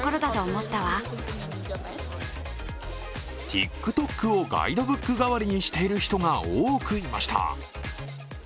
ＴｉｋＴｏｋをガイドブック代わりにしている人が多くいました。